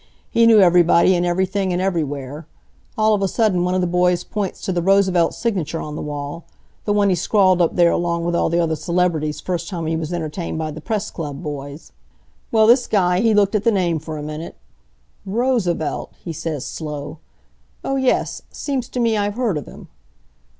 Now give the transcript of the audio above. He knew everybody, an' everything, an' everywhere. All of a sudden one of the boys points to the Roosevelt signature on the wall the one he scrawled up there along with all the other celebrities first time he was entertained by the Press Club boys. Well this guy, he looked at the name for a minute. 'Roosevelt?' he says, slow. 'Oh, yes. Seems t' me I've heard of him.'